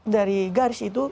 dari garis itu